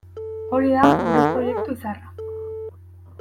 Hori da gure proiektu izarra.